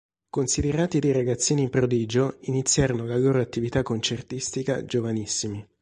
Considerati dei ragazzini prodigio, iniziarono la loro attività concertistica giovanissimi.